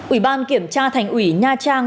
ủy ban kiểm tra thành ủy nha trang